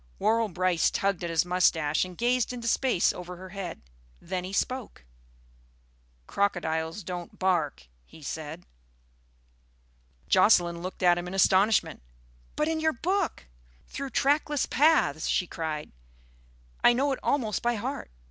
Worrall Brice tugged at his moustache and gazed into space over her head. Then he spoke. "Crocodiles don't bark," he said. Jocelyn looked at him in astonishment. "But in your book, Through Trackless Paths!" she cried, "I know it almost by heart.